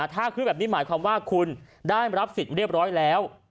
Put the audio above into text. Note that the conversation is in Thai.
ถ้าขึ้นแบบนี้หมายความว่าคุณได้รับสิทธิ์เรียบร้อยแล้ว